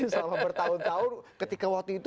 selama bertahun tahun ketika waktu itu